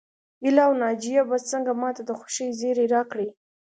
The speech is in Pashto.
هيله او ناجيه به څنګه ماته د خوښۍ زيری راکړي